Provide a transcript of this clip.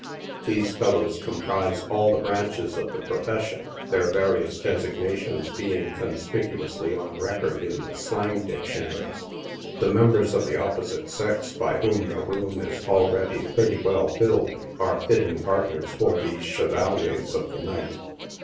These fellows comprise all the branches of the profession, then 1 various designations being con spicuously on record in the slang dictionaries. The members of the opposite sex, by whom the room is already pretty well filled, are fitting partners for these chevaliers of the night.